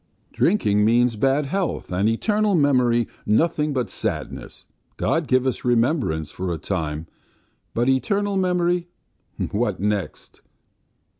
"Drinking means bad health, and eternal memory nothing but sadness. God give us remembrance for a time, but eternal memory what next!"